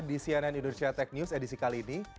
di cnn indonesia tech news edisi kali ini